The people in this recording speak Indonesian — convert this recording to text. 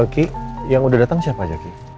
ki yang udah datang siapa aja ki